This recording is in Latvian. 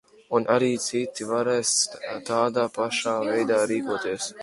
Un arī citi varēs tādā pašā veidā rīkoties.